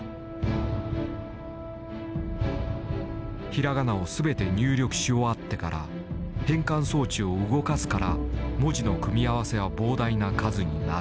ひらがなをすべて入力し終わってから変換装置を動かすから文字の組み合わせは膨大な数になる。